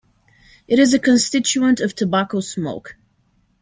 It is a constituent of tobacco smoke.